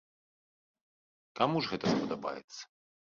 Каму ж гэта спадабаецца.